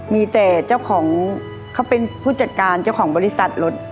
มีแต่เจ้าของเขาเป็นผู้จัดการเจ้าของบริษัทรถ